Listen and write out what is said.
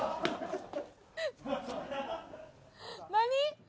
何？